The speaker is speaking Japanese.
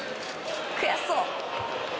悔しそう！